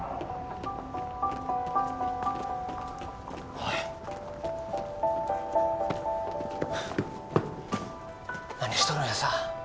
おい何しとるんやさ